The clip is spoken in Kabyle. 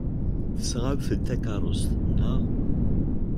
Tesɣamt-d takeṛṛust, naɣ?